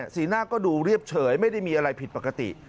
สีหน้าก็ดูเรียบเฉยไม่ได้มีอะไรผิดปกติ